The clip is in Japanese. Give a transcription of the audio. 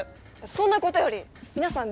そんなことより皆さん